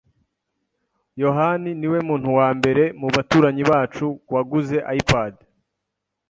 yohani niwe muntu wa mbere mu baturanyi bacu waguze iPad.